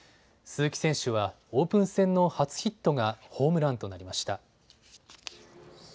鈴木選手はオープン戦の初ヒットがホームランとなりました。